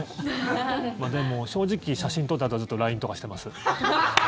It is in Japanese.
でも、正直、写真撮ってあとはずっとＬＩＮＥとかしてます。